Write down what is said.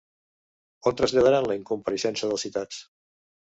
On traslladaran la incompareixença dels citats?